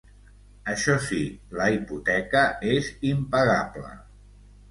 Això sí, la hipoteca és impagable.